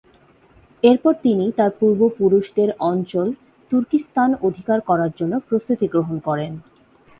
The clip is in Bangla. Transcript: এরপর তিনি তার পূর্বপুরুষদের অঞ্চল তুর্কিস্তান অধিকার করার জন্য প্রস্তুতি গ্রহণ করেন।